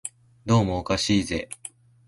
どうもおかしいぜ